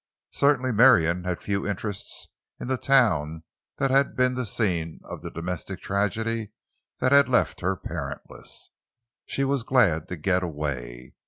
Certainly Marion had few interests in the town that had been the scene of the domestic tragedy that had left her parentless. She was glad to get away.